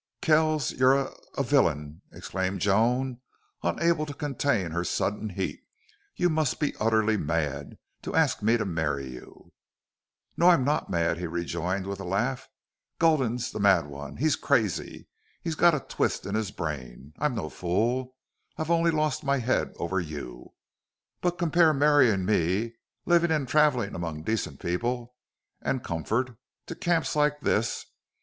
"Kells, you're a a villain!" exclaimed Joan, unable to contain her sudden heat. "You must be utterly mad to ask me to marry you." "No, I'm not mad," he rejoined, with a laugh. "Gulden's the mad one. He's crazy. He's got a twist in his brain. I'm no fool.... I've only lost my head over you. But compare marrying me, living and traveling among decent people and comfort, to camps like this.